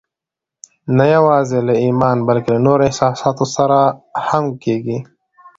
نه يوازې له ايمان بلکې له نورو احساساتو سره هم کېږي.